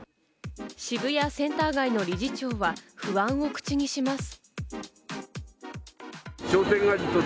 渋谷センター街の理事長は不安を口にします。